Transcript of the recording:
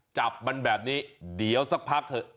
จับมันแบบนี้เดี๋ยวสักพักเถอะ